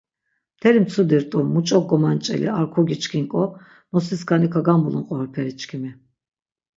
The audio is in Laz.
Mteli mtsudi rt̆u, muç̆o gomanç̌eli ar kogiçkink̆o nosi skani kagamulun qoroperi çkimi.